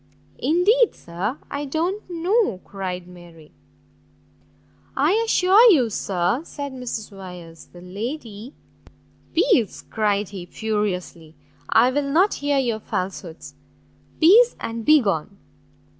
"Indeed, sir, I don't know!" cried Mary. "I assure you, sir," said Mrs Wyers, "the lady " "Peace!" cried he, furiously, "I will not hear your falsehoods! peace, and begone!"